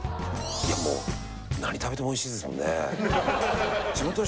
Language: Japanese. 何食べてもおいしいですもんね